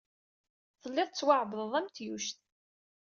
Telliḍ tettwaɛebdeḍ am tyuct.